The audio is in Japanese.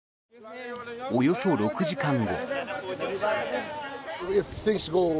およそ６時間後。